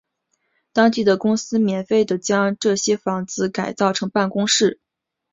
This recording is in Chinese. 当地的公司免费地将这些屋子改造成办公室。